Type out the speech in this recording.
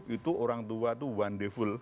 itu orang tua itu wonderful